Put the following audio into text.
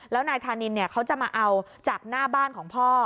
แล้วนายธานินเขาจะมาเอาจากหน้าบ้านของพ่อ